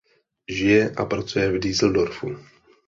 Žije a pracuje v Düsseldorfu.